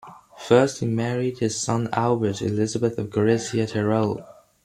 First, he married his son Albert to Elisabeth of Gorizia-Tyrol.